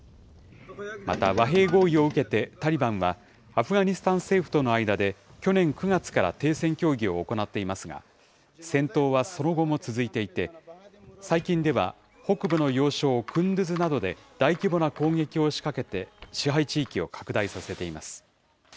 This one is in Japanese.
また和平合意を受けてタリバンは、アフガニスタン政府との間で去年９月から停戦協議を行っていますが、戦闘はその後も続いていて、最近では、北部の要衝クンドゥズなどで大規模な攻撃を仕掛けて、支配地域を拡大させています。